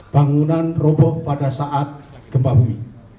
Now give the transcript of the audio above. bangunan roboh pada saat gempa bumi